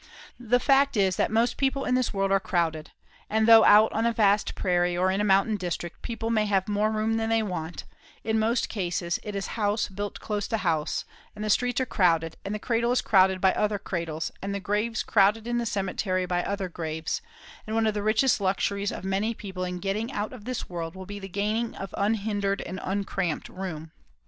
The fact is that most people in this world are crowded, and though out on a vast prairie or in a mountain district people may have more room than they want, in most cases it is house built close to house, and the streets are crowded, and the cradle is crowded by other cradles, and the graves crowded in the cemetery by other graves; and one of the richest luxuries of many people in getting out of this world will be the gaining of unhindered and uncramped room.